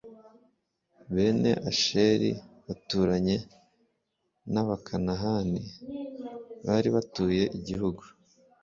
bene asheri baturanye n'abakanahani bari batuye igihugu